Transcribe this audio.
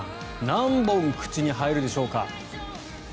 何本、口に入るでしょうか。